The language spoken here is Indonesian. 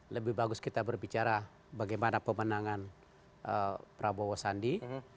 lebih bagus kita berbicara bagaimana pemenangan prabowo sandi